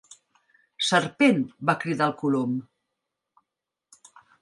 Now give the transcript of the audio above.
"Serpent!" va cridar el Colom.